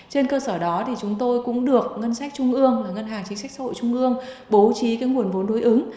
trên cơ sở đó chúng tôi cũng được ngân sách trung ương ngân hàng chính sách xã hội trung ương bố trí nguồn vốn đối ứng